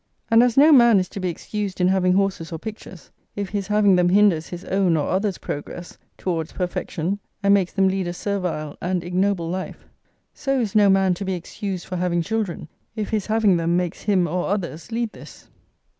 And as no man is to be excused in having horses or pictures, if his having them hinders his own or others' progress towards perfection and makes them lead a servile and ignoble life, so is no man to be excused for having children if his having them makes him or others lead this.